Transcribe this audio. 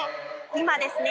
今ですね